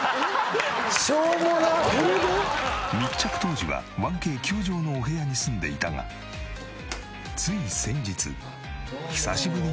密着当時は１Ｋ９畳のお部屋に住んでいたがつい先日久しぶりに再会すると。